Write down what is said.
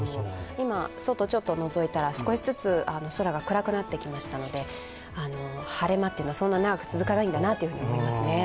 今、外をちょっとのぞいたら少しずつ空が暗くなってきましたので、晴れ間というのはそんなに長く続かないんだなと思いますね。